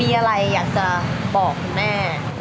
มีอะไรอยากจะบอกคุณแม่